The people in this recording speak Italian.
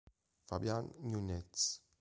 Fabián Núñez